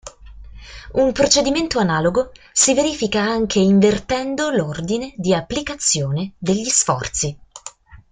Un procedimento analogo si verifica anche invertendo l'ordine di applicazione degli sforzi.